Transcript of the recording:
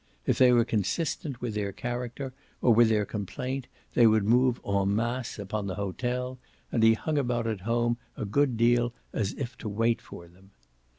If they were consistent with their character or with their complaint they would move en masse upon the hotel, and he hung about at home a good deal as if to wait for them.